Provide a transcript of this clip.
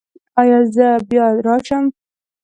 ایا زه بیا راشم؟